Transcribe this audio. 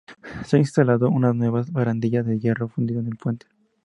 Se han instalado unas nuevas barandillas de hierro fundido en el puente.